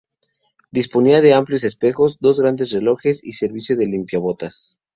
Disponía de amplios espejos, dos grandes relojes y servicio de limpiabotas.